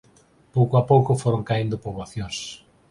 Pouco a pouco foron caendo poboacións.